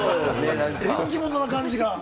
縁起物な感じが。